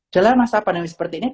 jelang masa pandemi seperti ini